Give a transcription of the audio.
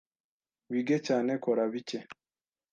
Wige cyane, kora bike